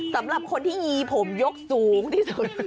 สำหรับคนที่ยีผมยกสูงที่สุด